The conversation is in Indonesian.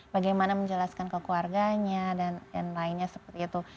bagaimana menjelaskan ke keluarganya dan lainnya seperti itu